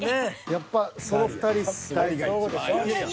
やっぱその２人っすね。